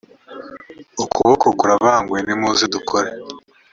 ukuboko kurabanguye nimuze dukore